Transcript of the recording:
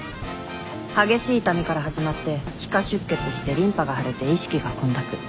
激しい痛みから始まって皮下出血してリンパが腫れて意識が混濁。